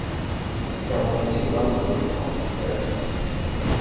又好似嬲佢唔落咁樣